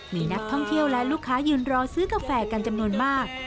มีนักท่องเที่ยวและลูกค้ายืนรอซื้อกาแฟกันจำนวนมาก